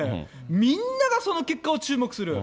みんながその結果を注目する。